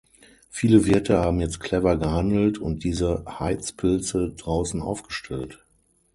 Viele Wirte haben jetzt clever gehandelt und diese Heizpilze draußen aufgestellt.